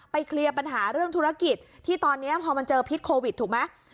เคลียร์ปัญหาเรื่องธุรกิจที่ตอนนี้พอมันเจอพิษโควิดถูกไหม